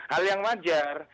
hal yang wajar